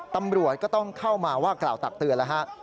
ตำรวจก็ต้องเข้ามาว่ากล่าวตักเตือนแล้วฮะ